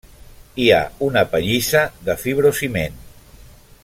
Hi ha una pallissa de fibrociment.